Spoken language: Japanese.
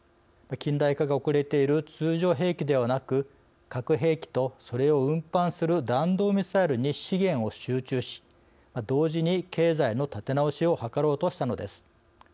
近代化が遅れている通常兵器ではなく核兵器とそれを運搬する弾道ミサイルに資源を集中し同時に経済の立て直しを図ろうとしたのです。